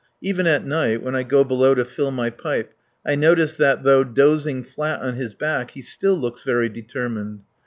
Even at night, when I go below to fill my pipe, I notice that, though dozing flat on his back, he still looks very determined.